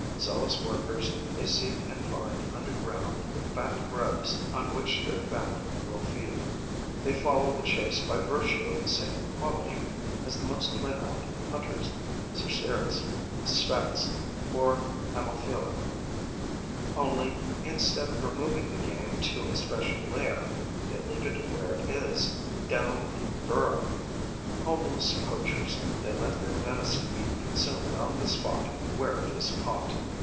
Zealous workers, they seek and find under ground the fat grubs on which their family will feed. They follow the chase by virtue of the same quality as the most renowned hunters, Cerceris, Sphex or Ammophila; only, instead of removing the game to a special lair, they leave it where it is, down in the burrow. Homeless poachers, they let their venison be consumed on the spot where it is caught.